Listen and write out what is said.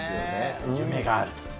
夢があると。